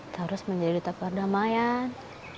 terus menjadi duta perdamaian